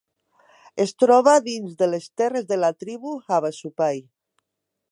Es troba dins de les terres de la tribu havasupai.